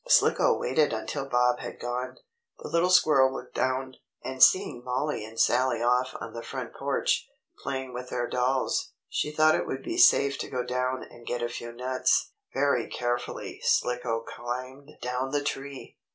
Slicko waited until Bob had gone. The little squirrel looked down, and seeing Mollie and Sallie off on the front porch, playing with their dolls, she thought it would be safe to go down and get a few nuts. Very carefully Slicko climbed down the tree.